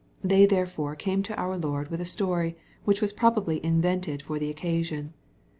They therefore came to our Lord with a story which was probably in vented for the occasion.